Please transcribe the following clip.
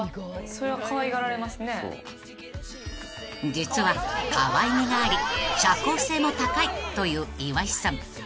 ［実はかわいげがあり社交性も高いという岩井さん］